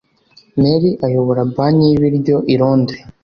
Mary ayobora banki yibiryo i Londres